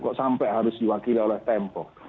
kok sampai harus diwakili oleh tempo